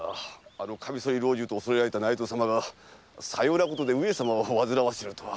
あの剃刀老中と恐れられた内藤様がさようなことで上様を煩わせるとは。